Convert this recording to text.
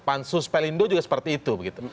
pansus pelindo juga seperti itu